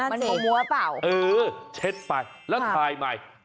มันเอามัวเปล่าเออเช็ดไปแล้วถ่ายใหม่